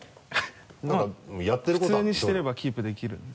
普通にしてればキープできるんで。